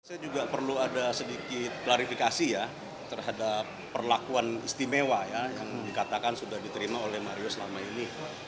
saya juga perlu ada sedikit klarifikasi ya terhadap perlakuan istimewa ya yang dikatakan sudah diterima oleh mario selama ini